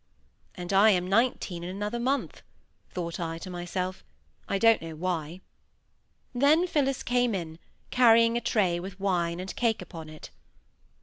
"And I am nineteen in another month," thought I, to myself; I don't know why. Then Phillis came in, carrying a tray with wine and cake upon it.